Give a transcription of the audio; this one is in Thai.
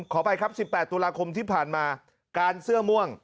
ขออภัยครับ๑๘ตุลาคมที่ผ่านมาการเสื้อม่วง